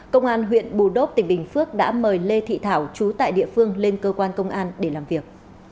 công an huyện bù đốc tỉnh bình phước đã mời lê thị thảo chú tại địa phương lên cơ quan công an để làm việc